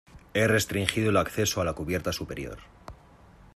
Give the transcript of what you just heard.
he restringido el acceso a la cubierta superior